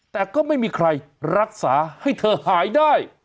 แต่ก็ไม่มีใครรักษาให้เธอหายได้